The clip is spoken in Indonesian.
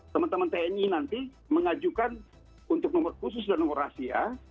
teman teman tni nanti mengajukan untuk nomor khusus dan nomor rahasia